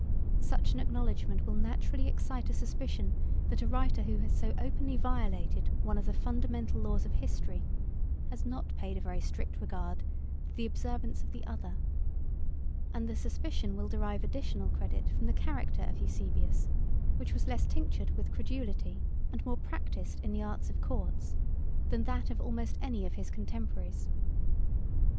178 Such an acknowledgment will naturally excite a suspicion that a writer who has so openly violated one of the fundamental laws of history, has not paid a very strict regard to the observance of the other; and the suspicion will derive additional credit from the character of Eusebius, 1781 which was less tinctured with credulity, and more practised in the arts of courts, than that of almost any of his contemporaries.